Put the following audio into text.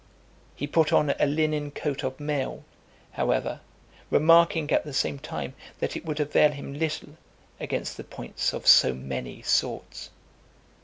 He put on a linen coat of mail, however, remarking at the same time, that it would avail him little against the points of so many swords.